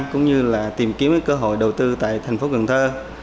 cũng như là tìm kiếm cơ hội đầu tư tại thành phố cần thơ